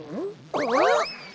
あっ！